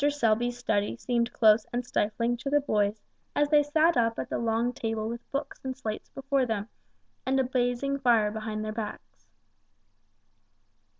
Selby's study seemed close and stifling to the boys as they sat up at the long table with books and slates before them, and a blazing fire behind their backs.